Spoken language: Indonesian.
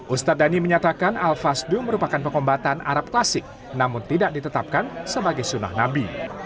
ustadz dhani menyatakan al fasdu merupakan pengombatan arab klasik namun tidak ditetapkan sebagai sunnah nabi